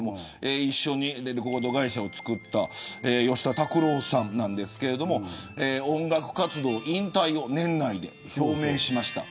一緒にレコード会社を作った吉田拓郎さんなんですけど音楽活動を引退を年内に表明しました。